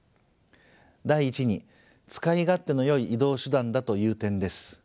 第１に使い勝手のよい移動手段だという点です。